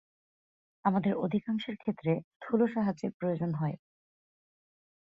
আমাদের অধিকাংশের ক্ষেত্রে স্থূল সাহায্যের প্রয়োজন হয়।